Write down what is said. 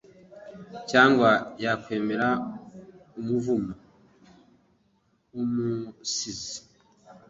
cyangwa yakwemera umuvumo wumusizi